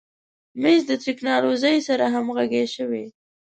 مېز د تکنالوژۍ سره همغږی شوی.